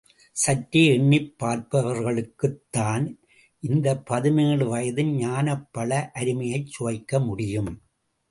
சற்றே எண்ணிப் பார்ப்பவர்களுக்குத் தான் இந்த பதினேழு வயதின் ஞானப்பழ அருமையைச் சுவைக்க முடியும்.